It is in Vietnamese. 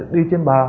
đi trên bào